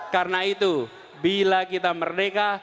karena itu bila kita merdeka